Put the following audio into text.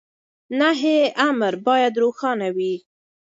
نهي امر بايد روښانه وي.